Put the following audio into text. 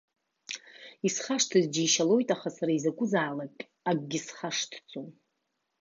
Исхашҭыз џьишьалоит, аха сара изакәызаалак акгьы схашҭӡом.